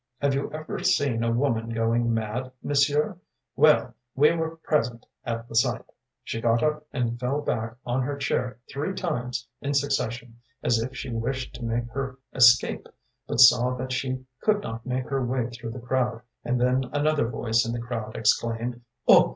Have you ever seen a woman going mad, monsieur? Well, we were present at the sight! She got up and fell back on her chair three times in succession, as if she wished to make her escape, but saw that she could not make her way through the crowd, and then another voice in the crowd exclaimed: “'Oh!